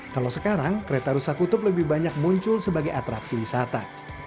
kalau sekarang kereta rusa kutub lebih banyak muncul sebagai atraksi wisata